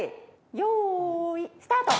よーいスタート！